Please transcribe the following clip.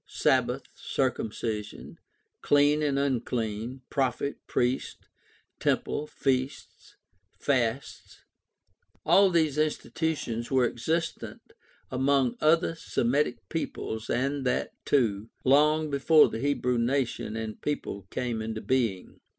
Sabbath, circumcision, clean and unclean, prophet, priest, temple, feasts, iasts — all these institutions were existent among other Semitic peoples and that, too, loijg before the Hebrew nation and people came into being.